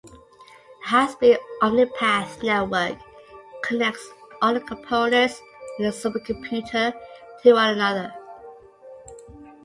A high-speed Omnipath network connects all the components in the supercomputer to one another.